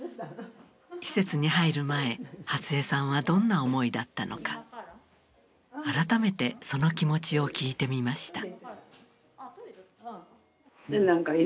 施設に入る前初江さんはどんな思いだったのか改めてその気持ちを聞いてみました。